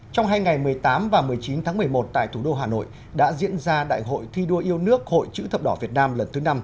trong hai ngày một mươi tám và một mươi chín tháng một mươi một tại thủ đô hà nội đã diễn ra đại hội thi đua yêu nước hội chữ thập đỏ việt nam lần thứ năm